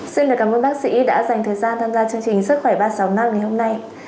xin cảm ơn bác sĩ đã dành thời gian tham gia chương trình sức khỏe ba trăm sáu mươi năm ngày hôm nay